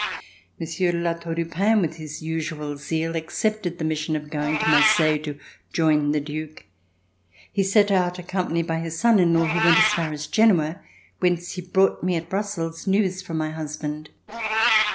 Monsieur de La Tour du Pin, with his usual zeal, accepted the mission of going to Marseille to join the Due. He set out accompanied by his son in law, who went as far as Genoa, whence he brought me at Brussels news from my husband.